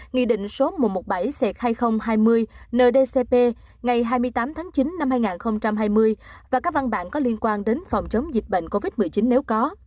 nghị định số một trăm một mươi bảy c hai nghìn hai mươi ndcp ngày hai mươi tám tháng chín năm hai nghìn hai mươi và các văn bản có liên quan đến phòng chống dịch bệnh covid một mươi chín nếu có